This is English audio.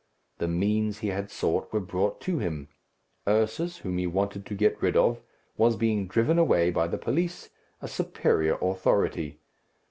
The means he had sought were brought to him. Ursus, whom he wanted to get rid of, was being driven away by the police, a superior authority.